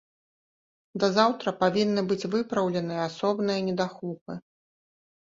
Да заўтра павінны быць выпраўленыя асобныя недахопы.